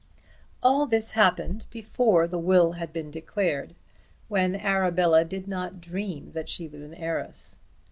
All this happened before the will had been declared, when Arabella did not dream that she was an heiress.